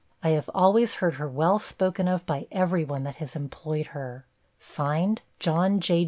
I have always heard her well spoken of by every one that has employed her. JOHN J.